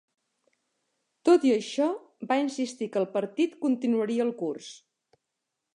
Tot i això, va insistir que el partit "continuaria el curs".